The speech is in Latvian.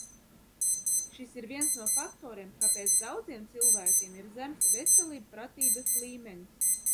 Šis ir viens no faktoriem, kāpēc daudziem cilvēkiem ir zems veselībpratības līmenis.